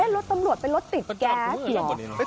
รถตำรวจเป็นรถติดแก๊ส